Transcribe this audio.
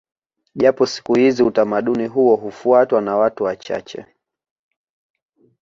Japo siku hizi utamaduni huo hufuatwa na watu wachache